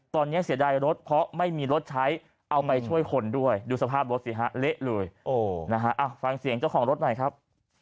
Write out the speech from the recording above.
ตอนนี้เสียดายรถเพราะไม่มีรถใช้เอาไปช่วยคนด้วยดูสภาพรถสิฮะเละเลยนะฮะฟังเสียงเจ้าของรถหน่อยครับ